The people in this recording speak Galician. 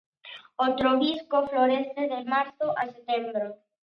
O trobisco florece de marzo a setembro.